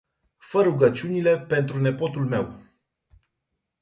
Fa rugaciunile pt nepotul meu.